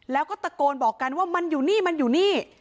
แล้วก็ตะโกนบอกกันว่ามันอยู่นี่มันอยู่นี่